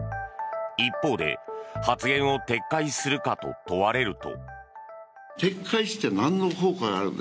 一方で、発言を撤回するかと問われると。